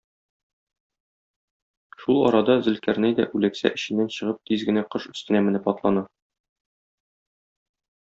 Шул арада Зөлкарнәй дә үләксә эченнән чыгып тиз генә кош өстенә менеп атлана.